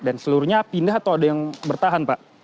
dan seluruhnya pindah atau ada yang bertahan pak